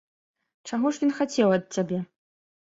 Чаго ж ён хацеў ад цябе?